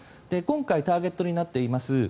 今回、ターゲットになっています